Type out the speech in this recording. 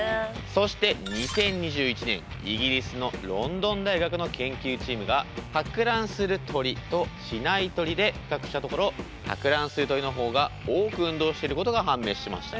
そして２０２１年イギリスのロンドン大学の研究チームが托卵する鳥としない鳥で比較したところ托卵する鳥の方が多く運動してることが判明しました。